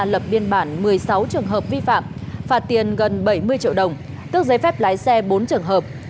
lập biên bản một mươi sáu trường hợp vi phạm phạt tiền gần bảy mươi triệu đồng tước giấy phép lái xe bốn trường hợp